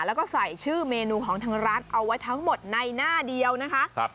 แล้วก็ใส่ชื่อเมนูของทางร้านเอาไว้ทั้งหมดในหน้าเดียวนะคะ